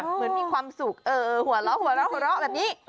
เหมือนมีความสุขหัวเลาะแบบนี้